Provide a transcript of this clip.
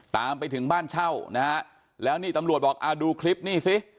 ตามไปถึงบ้านเช่านะฮะแล้วนี่ตำรวจบอกอ่าดูคลิปนี่สิ